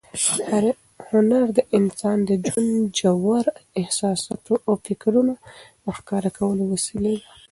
هنر د انسان د ژوند ژورو احساساتو او فکرونو د ښکاره کولو وسیله ده.